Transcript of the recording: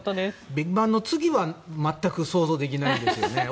ビッグバンの次は全く想像できないですよね。